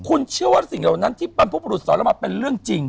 คุณเชื่อว่าสิ่งเหล่านั้นที่บรรพบรุษสอนเรามาเป็นเรื่องจริง